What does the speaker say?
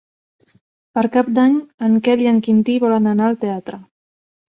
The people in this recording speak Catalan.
Per Cap d'Any en Quel i en Quintí volen anar al teatre.